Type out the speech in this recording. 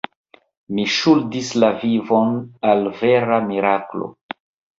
Mi ŝuldis la vivon al vera miraklo.